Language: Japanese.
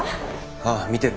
ああ見てる。